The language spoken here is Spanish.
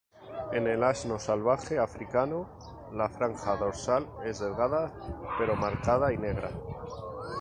En el asno salvaje africano, la franja dorsal es delgada pero marcada y negra.